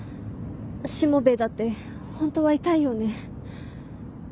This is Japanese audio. しもべえだって本当は痛いよね？